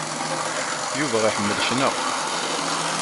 Yuba iḥemmel cna.